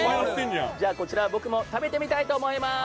こちら、僕も食べてみたいと思います。